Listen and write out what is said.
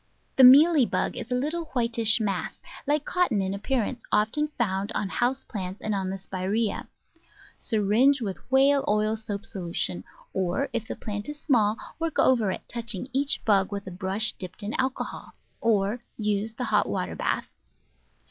The Mealy Bug is a little whitish mass, like cotton in appearance, often found on house plants and on the Spiraeas. Syringe with whale oil soap solution; or, if the plant is small, work over it, touching each bug with a brush dipped in alcohol ; or use the hot water bath.